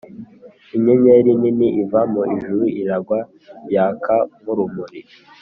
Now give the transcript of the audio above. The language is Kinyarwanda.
inyenyeri nini iva mu ijuru iragwa yaka nk’urumuri,